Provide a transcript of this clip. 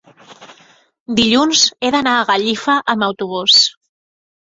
dilluns he d'anar a Gallifa amb autobús.